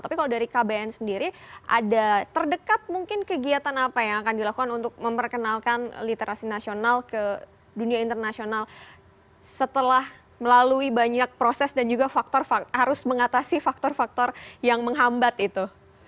tapi kalau dari kbn sendiri ada terdekat mungkin kegiatan apa yang akan dilakukan untuk memperkenalkan literasi nasional ke dunia internasional setelah melalui banyak proses dan juga faktor harus mengatasi faktor faktor yang menghambat itu